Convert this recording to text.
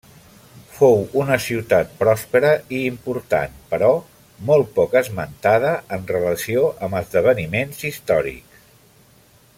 Fou una ciutat pròspera i important, però molt poc esmentada en relació amb esdeveniments històrics.